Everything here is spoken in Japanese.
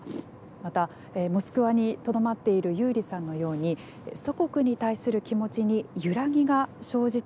またモスクワにとどまっているユーリさんのように祖国に対する気持ちに揺らぎが生じている人もいる。